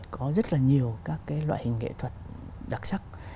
có rất là nhiều các cái loại hình nghệ thuật đặc sắc